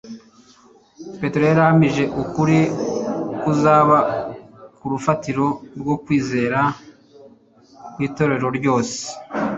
Petero yari yarahamije ukuri kuzaba urufatiro rwo kwizera kw'itorero ryose,